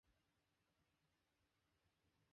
মির্জা বাইরে আছে?